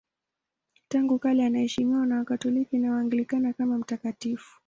Tangu kale anaheshimiwa na Wakatoliki na Waanglikana kama mtakatifu.